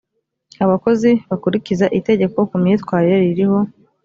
abakozi bakurikiza itegeko ku myitwarire ririho